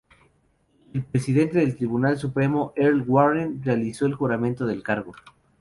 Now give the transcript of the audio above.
El Presidente del Tribunal Supremo Earl Warren realizó el juramento del cargo.